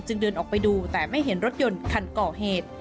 เดินออกไปดูแต่ไม่เห็นรถยนต์คันก่อเหตุ